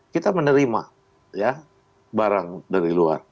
kita menerima barang dari luar